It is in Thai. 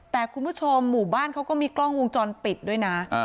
แต่คุณผู้ชมหมู่บ้านเขาก็มีกล้องวงจรปิดด้วยนะ